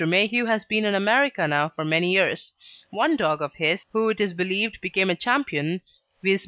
Mayhew has been in America now for many years. One dog of his, who it is believed became a champion, viz.